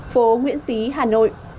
phố nguyễn xí hà nội